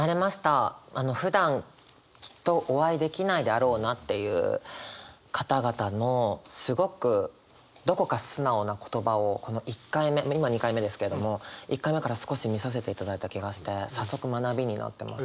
ふだんきっとお会いできないであろうなっていう方々のすごくどこか素直な言葉をこの１回目今２回目ですけども１回目から少し見させていただいた気がして早速学びになってます。